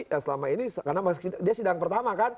yang selama ini karena dia sidang pertama kan